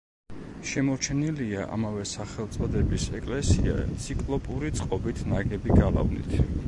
შემორჩენილია ამავე სახელწოდების ეკლესია ციკლოპური წყობით ნაგები გალავნით.